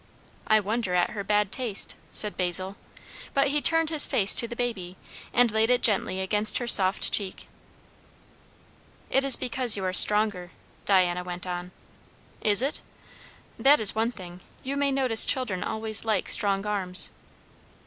"I wonder at her bad taste!" said Basil. But he turned his face to the baby, and laid it gently against her soft cheek. "It is because you are stronger," Diana went in. "Is it?" "That is one thing. You may notice children always like strong arms."